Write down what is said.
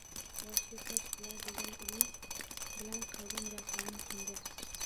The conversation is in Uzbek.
Boshiga toj qilar degan ilinj bilan qalbim gavharin kimga